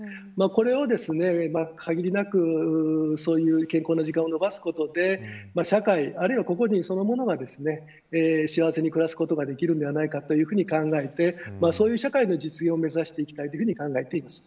これを、限りなくそういう健康な時間を延ばすことで社会あるいは個々人そのものが幸せに暮らすことができるのではないかと考えてそういう社会の実現を目指していきたいと考えています。